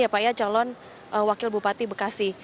ya pak ya calon wakil bupati bekasi